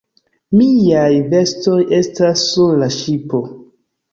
Miaj vestoj estas sur la ŝipo.